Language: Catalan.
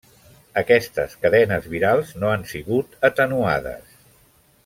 Aquestes cadenes virals no han sigut atenuades.